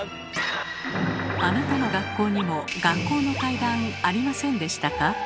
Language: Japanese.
あなたの学校にも学校の怪談ありませんでしたか？